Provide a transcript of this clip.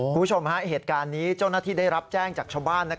คุณผู้ชมเหตุการณ์นี้เจ้าหน้าที่ได้รับแจ้งจากชาวบ้าน